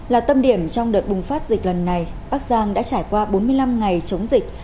là tâm điểm trong đợt bùng phát dịch lần này bắc giang đã trải qua bốn mươi năm ngày chống dịch